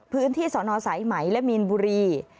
พื้นที่สอนอสายไหมและมีนบุรี